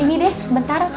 ini deh sebentar